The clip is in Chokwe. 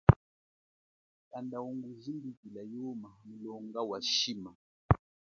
Kanda ungu jimbikila yuma hamulonga wa shili.